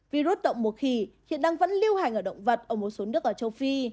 virus động mùa khỉ hiện đang vẫn lưu hành ở động vật ở một số nước ở châu phi